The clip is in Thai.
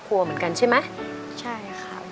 เพลงที่๖นะครับ